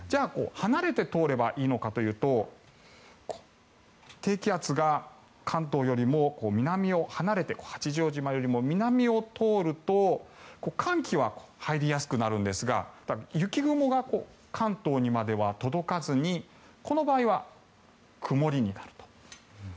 離れて通ればいいのかというと低気圧が関東よりも離れて八丈島よりも南を通ると寒気は入りやすくなるんですが雪雲が関東にまでは届かずにこの場合は曇りになると。